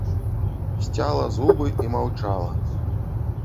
Сцяла зубы і маўчала.